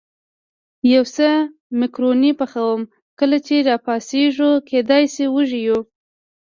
یو څه مکروني پخوم، کله چې را پاڅېږو کېدای شي وږي یو.